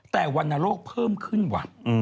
แต่วันนโลกเพิ่มขึ้นวะ